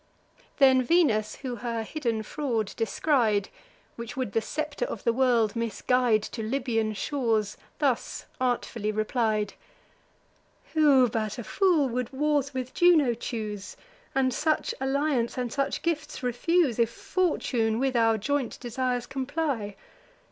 Then Venus, who her hidden fraud descried, Which would the scepter of the world misguide To Libyan shores, thus artfully replied: "Who, but a fool, would wars with Juno choose, And such alliance and such gifts refuse, If Fortune with our joint desires comply?